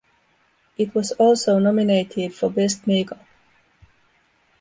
It was also nominated for Best Make-Up.